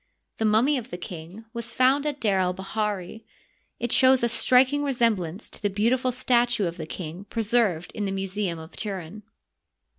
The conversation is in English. The mummy of the king was found at D6r el bahiri. It shows a striking resemblance to the beautiful statue of the king preserved in the Museum of Turin.